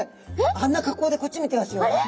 あんな格好でこっち見てますよ。